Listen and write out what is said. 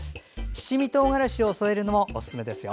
七味とうがらしを添えるのもおすすめですよ。